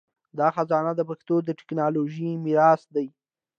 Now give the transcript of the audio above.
دا خزانه د پښتو د ټکنالوژۍ میراث دی.